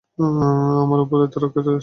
আমার উপর এতো রাগ করে আছিস কেন?